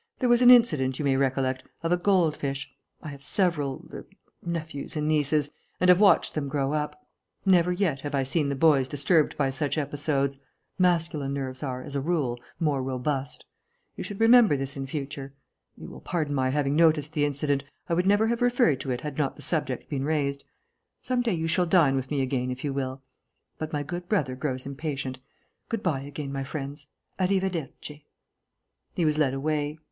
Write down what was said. There was an incident, you may recollect, of a goldfish.... I have several er nephews and nieces and have watched them grow up. Never yet have I seen the boys disturbed by such episodes. Masculine nerves are, as a rule, more robust. You should remember this in future.... You will pardon my having noticed the incident. I would never have referred to it had not the subject been raised. Some day you shall dine with me again, if you will.... But my good brother grows impatient. Good bye again, my friends. A rivederci." He was led away.